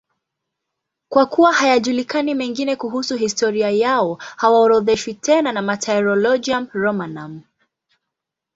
Kwa kuwa hayajulikani mengine kuhusu historia yao, hawaorodheshwi tena na Martyrologium Romanum.